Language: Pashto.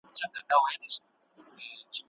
چي څوک ولویږي له واک او له قدرته